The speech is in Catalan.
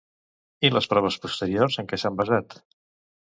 I les proves posteriors en què s'han basat?